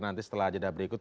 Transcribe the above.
nanti setelah jeda berikut